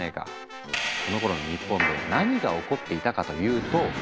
このころの日本で何が起こっていたかというとペストの流行。